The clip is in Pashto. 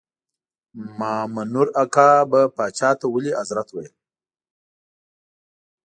مامنور کاکا به پاچا ته ولي حضرت ویل.